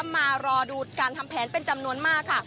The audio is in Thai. มารอดูการทำแผนเป็นจำนวนมากค่ะ